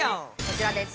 こちらです。